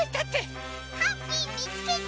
ハッピーみつけた！